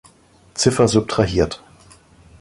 Ziffer subtrahiert.